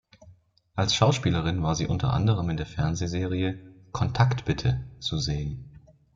Als Schauspielerin war sie unter anderem in der Fernsehserie "Kontakt bitte" zu sehen.